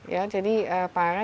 ya jadi parah